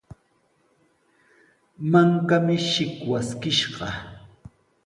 Mankami shikwaskishqa.